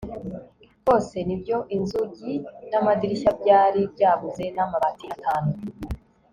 rwose! nibyo rwose inzugi n'amadirishya byari byabuze n'amabati atanu